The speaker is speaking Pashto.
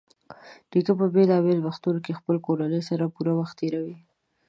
نیکه په بېلابېلو وختونو کې د خپلې کورنۍ سره پوره وخت تېروي.